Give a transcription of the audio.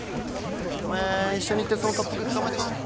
おめえ一緒に行ってその特服捕まえてこい。